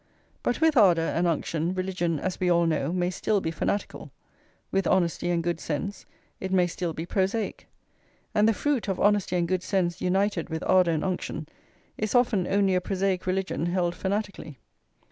But with ardour and unction religion, as we all know, may still be fanatical; with honesty and good sense, it may still be prosaic; and the fruit of honesty and good sense united with ardour and unction is often only a prosaic religion held fanatically.